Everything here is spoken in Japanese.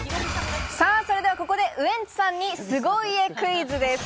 それではここでウエンツさんに凄家クイズです。